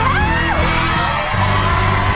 ดูแลแล้วเหรอ